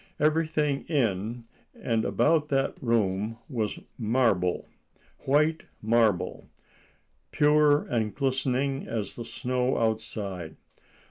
Everything in and about that room was marble—white marble—pure and glistening as the snow outside.